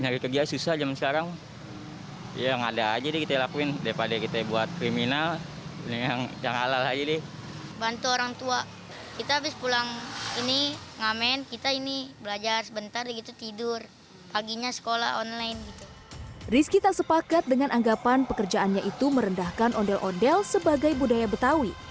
risky tak sepakat dengan anggapan pekerjaannya itu merendahkan ondel ondel sebagai budaya betawi